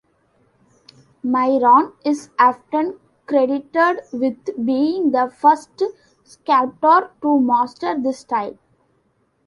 Myron is often credited with being the first sculptor to master this style.